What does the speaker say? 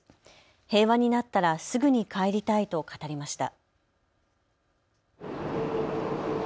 平和になったらすぐに帰りたいと語りました。